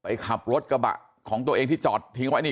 ขับรถกระบะของตัวเองที่จอดทิ้งไว้นี่